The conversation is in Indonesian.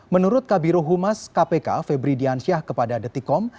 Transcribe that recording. menurut kabiro humas kpk febri diansyah kepada detikom